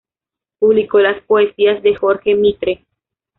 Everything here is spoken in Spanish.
Publicó las poesías de Jorge Mitre.